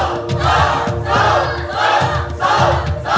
สู้สู้สู้สู้